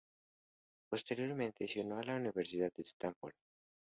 Posteriormente, se unió a la Universidad de Stanford.